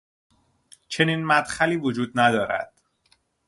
چنین مدخلی وجود ندارد